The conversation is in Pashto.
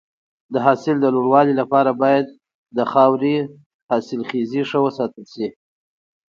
د حاصل د لوړوالي لپاره باید د خاورې حاصلخیزي ښه وساتل شي.